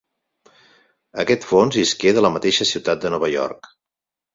Aquest fons isqué de la mateixa ciutat de Nova York.